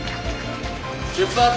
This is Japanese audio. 出発。